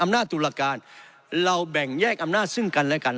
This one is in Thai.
ตุลาการเราแบ่งแยกอำนาจซึ่งกันและกัน